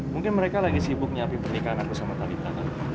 mungkin mereka lagi sibuk nyiapin pernikahan aku sama talita